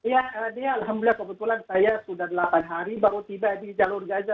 ya dia alhamdulillah kebetulan saya sudah delapan hari baru tiba di jalur gaza